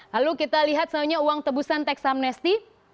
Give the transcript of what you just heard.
lalu kita lihat selanjutnya uang tebusan teks amnesti